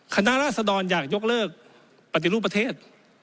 ราศดรอยากยกเลิกปฏิรูปประเทศ